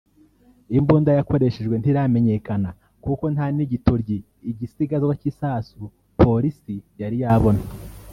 Imbunda yakoreshejwe ntiramenyekana kuko nta n’igitoryi (igisigazwa cy’isasu) Polisi yari yabona